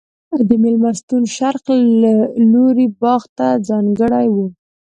د مېلمستون شرق لوری باغ ته ځانګړی و.